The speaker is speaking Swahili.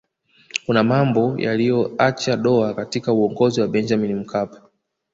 kuna mambo yaliyoacha doa katika uongozi wa benjamini mkapa